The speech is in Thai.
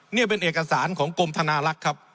นี่เป็นเอกสารของกรมธนาลักษณ์ครับ